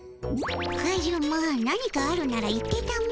カズマ何かあるなら言ってたも。